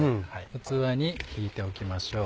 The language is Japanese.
器に引いておきましょう。